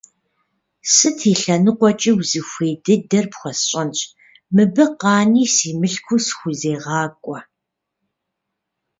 Сыт и лъэныкъуэкӀи узыхуей дыдэр пхуэсщӀэнщ, мыбы къани си мылъкур схузегъакӀуэ.